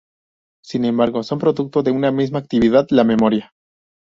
Sin embargo, son producto de una misma actividad, la memoria.